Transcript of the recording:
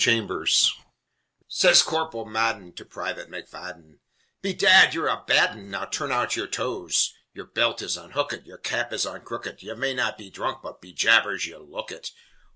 CHAMBERS Sez Corporal Madden to Private McFadden: "Bedad, yer a bad 'un! Now turn out yer toes! Yer belt is unhookit, Yer cap is on crookit, Ye may not be dhrunk, But, be jabers, ye look it!